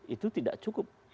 itu tidak cukup